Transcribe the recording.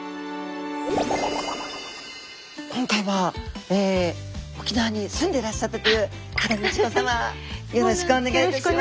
今回は沖縄に住んでいらっしゃったという羽田美智子様よろしくお願いいたします。